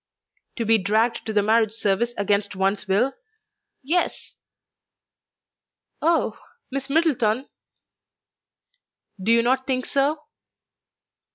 "To be dragged to the marriage service against one's will? Yes." "Oh! Miss Middleton!" "Do you not think so?"